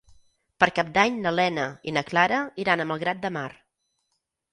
Per Cap d'Any na Lena i na Clara iran a Malgrat de Mar.